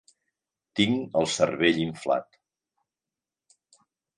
Tinc el cervell inflat.